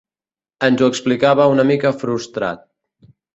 Ens ho explicava una mica frustrat.